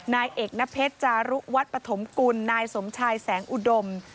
นายเอกนเพชรจารุวัฒน์ปฐมกุลนายสมชายแสงอุดม